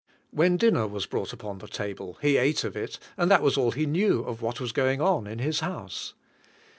When dinner was brought upon the table, he ate of it, and that was all he knew of what was going on in his house.